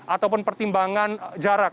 ataupun pertimbangan jarak